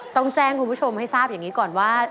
ต้องแจ้งคุณผู้ชมให้ทราบอย่างนี้ก่อนว่า